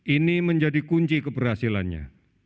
ini menjadi kunci keberhasilannya